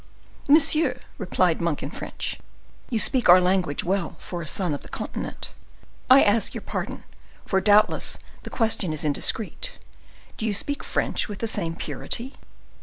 "Monsieur," replied Monk, in French, "you speak our language well for a son of the continent. I ask your pardon—for doubtless the question is indiscreet—do you speak French with the same purity?"